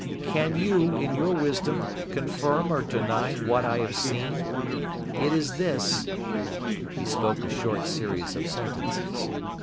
Can you, in your wisdom, confirm or deny what I have seen? It is this " He spoke a short series of sentences.